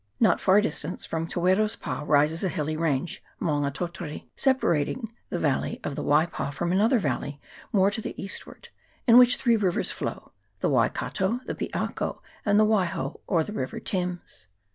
Not far distant from Te Wero's pa rises a hilly range, Maunga Tautari, separating the valley of the Waipa from another valley more to the east ward, in which three rivers flow, the Waikato, the Piako, and the Waiho, or the river Thames.